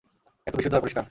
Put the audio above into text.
এত বিশুদ্ধ আর পরিষ্কার।